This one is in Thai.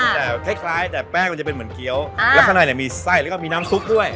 แต่คล้ายแต่แป้งมันจะเป็นเหมือนเกี้ยวแล้วข้างในมีไส้แล้วก็มีน้ำซุปด้วย